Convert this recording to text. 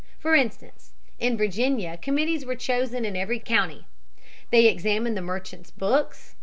For instance, in Virginia committees were chosen in every county. They examined the merchants' books.